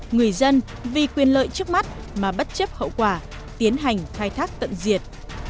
người dân vì quyền lợi trước mắt mà bất chấp hậu quả tiến hành khai thác tận diệt